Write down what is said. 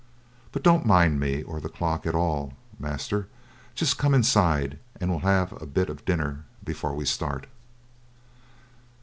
But don't mind me or the clock at all, master; just come inside, and we'll have a bit o' dinner before we start."